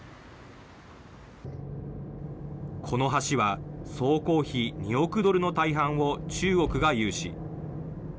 この橋は総工費２億ドルの大半を中国が融資。